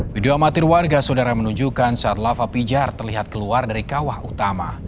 video amatir warga saudara menunjukkan saat lava pijar terlihat keluar dari kawah utama